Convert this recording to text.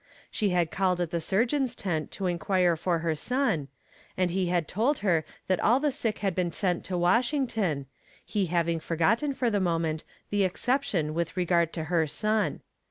She had called at the surgeon's tent to inquire for her son, and he had told her that all the sick had been sent to Washington, he having forgotten for the moment, the exception with regard to her son.